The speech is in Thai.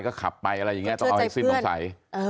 ก็ขับไปอะไรอย่างเงี้ยต้องเอาอีกสิ้นต้องใส่